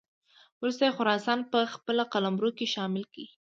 وروسته یې خراسان په خپل قلمرو کې شامل کړ.